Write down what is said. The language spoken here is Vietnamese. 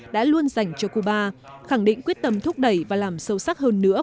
đã luôn dành cho cuba khẳng định quyết tâm thúc đẩy và làm sâu sắc hơn nữa